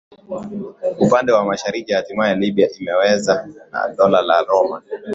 upande wa mashariki Hatimaye Libya ikamezwa na Dola la Roma